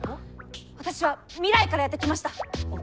私は未来からやって来ました。